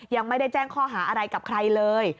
ยังไม่ได้แจ้งข้อหาอะไรกับใครเลย